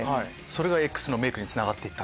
それがＸのメイクにつながった。